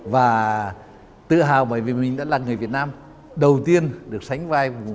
và tự hào bởi vì mình đã là người việt nam đầu tiên được sánh vai